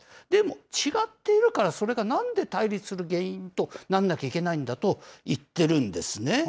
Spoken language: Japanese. でも、違っているから、それがなんで対立する原因となんなきゃいけないんだと言ってるんですね。